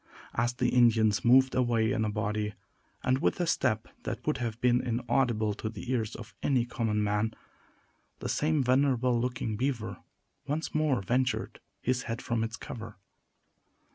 As the Indians moved away in a body, and with a step that would have been inaudible to the ears of any common man, the same venerable looking beaver once more ventured his head from its cover.